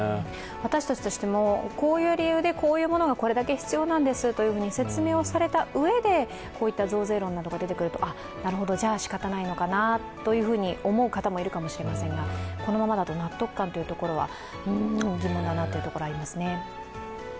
私たちとしても、こういう理由でこういうものがこれだけ必要なんですと説明をされたうえでこういった増税論が出てくると、なるほど、じゃあしかたないのかなと思う方もいるかもしれませんがこのままだと納得感というところはうん疑問だなというところはありますね。